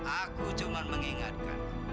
aku cuma mengingatkan